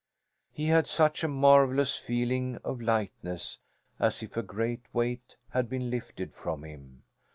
He had such a marvellous feeling of lightness, as if a great weight had been lifted from him.